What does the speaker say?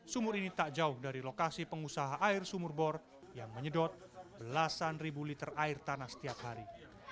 sumur ini tak jauh dari lokasi pengusaha air sumur bor yang menyedot belasan ribu liter air tanah setiap hari